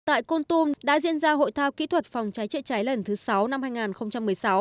tại côn tum đã diễn ra hội thao kỹ thuật phòng cháy chữa cháy lần thứ sáu năm hai nghìn một mươi sáu